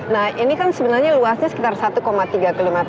nah ini kan sebenarnya luasnya sekitar satu tiga km